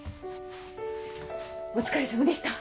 お疲れさまでした。